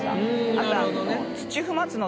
あと。